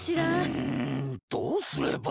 うんどうすれば。